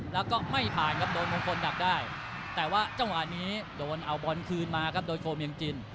แล้วก็ไม่ผ่านครับโดนมงคลดับได้แต่ว่าจังหวะนี้โดนเอาบอลคืนมาครับโดยโฟเมียงจิน